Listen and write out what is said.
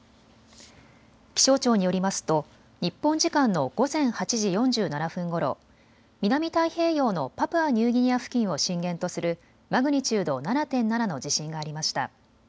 気象庁によりますと日本時間の午前８時４７分ごろ、南太平洋のパプアニューギニア付近を震源とするマグニチュード７．７の地震がありました。